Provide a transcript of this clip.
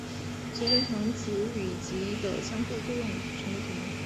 使增强子与及的相互作用成为可能。